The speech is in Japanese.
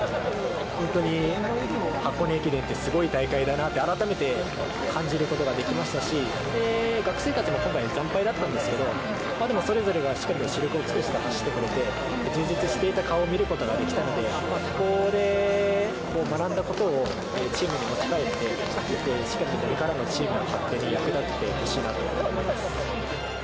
本当に箱根駅伝ってすごい大会だなって改めて感じることができましたし、学生たちも今回、惨敗だったんですけど、でもそれぞれが死力を尽くして走ってくれて、充実していた顔を見ることができたので、ここで学んだことをチームに持ち帰って、しっかりとこれからのチームの発展に役立ててほしいなと思います。